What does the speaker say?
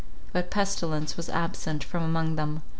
But pestilence was absent from among them.